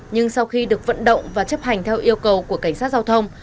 nhưng sau khi được vận động và chấp hành theo yêu cầu của cảnh sát giao thông